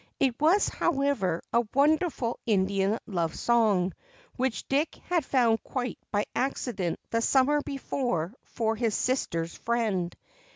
It was, however, a wonderful Indian love song, which Dick had found quite by accident the summer before for his sister's friend.